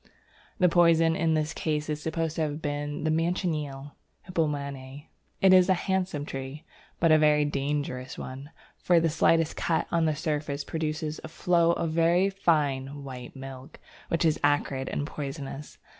The poison in this case is supposed to have been the Manchineel (Hippomane). It is a handsome tree, but a very dangerous one, for the slightest cut on the surface produces a flow of a very fine white milk which is acrid and poisonous.